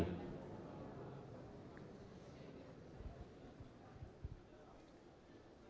bagaimana indonesia bisa masuk menjadi ekonomi nomor tujuh besar di dunia di tahun dua ribu tiga puluh dua ribu tiga puluh lima